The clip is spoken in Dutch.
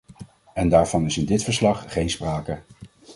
En daarvan is in dit verslag geen sprake.